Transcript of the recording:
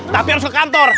tapi harus ke kantor